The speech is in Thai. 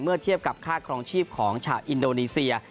เทียบกับค่าครองชีพของชาวอินโดนีเซีย